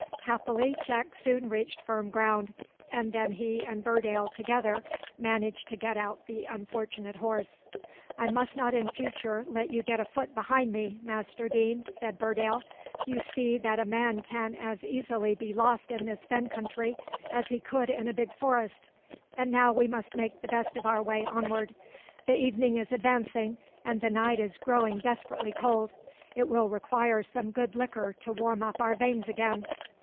Happily, Jack soon reached firm ground, and then he and Burdale together managed to get out the unfortunate horse. "I must not in future let you get a foot behind me, Master Deane," said Burdale. "You see that a man can as easily be lost in this fen country as he could in a big forest, and now we must make the best of our way onward; the evening is advancing, and the night is growing desperately cold. It will require some good liquor to warm up our veins again."